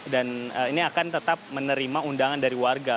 dan ini akan tetap menerima undangan dari warga